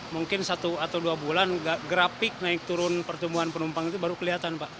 mungkin satu atau dua bulan grafik naik turun pertumbuhan penumpang itu baru kelihatan pak